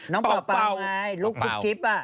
น้องเป่าไงลูกกลุ๊ปกิ๊บอะ